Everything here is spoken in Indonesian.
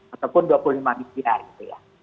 ataupun rp dua puluh lima di hari itu ya